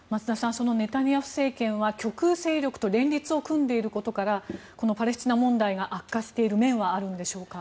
そのネタニヤフ政権は極右政権と連立を組んでいることからパレスチナ問題が悪化している面はあるんでしょうか。